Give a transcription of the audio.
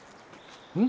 うん？